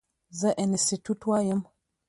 زه انسټيټيوټ وایم.